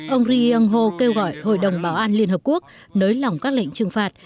ông ri yong ho kêu gọi hội đồng bảo an liên hợp quốc nới lỏng các lệnh trừng phạt